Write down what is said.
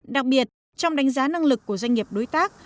đặc biệt trong đánh giá năng lực của doanh nghiệp đối tác